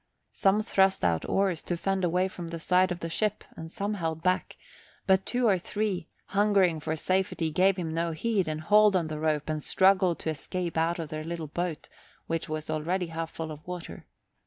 Some thrust out oars to fend away from the side of the ship and some held back; but two or three, hungering for safety, gave him no heed and hauled on the rope and struggled to escape out of their little boat, which was already half full of water.